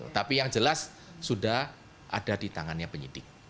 tapi yang jelas sudah ada di tangannya penyidik